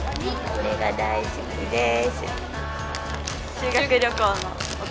これが大好きです。